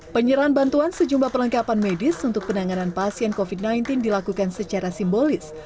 penyerahan bantuan sejumlah perlengkapan medis untuk penanganan pasien covid sembilan belas dilakukan secara simbolis